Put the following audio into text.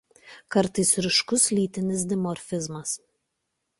Kartais ryškus lytinis dimorfizmas.